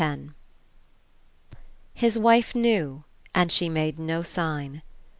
X His wife knew and she made no sign.